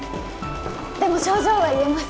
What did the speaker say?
でも症状は言えます